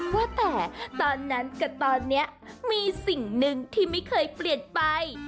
ว่าแต่ตอนนั้นกับตอนนี้มีสิ่งหนึ่งที่ไม่เคยเปลี่ยนไป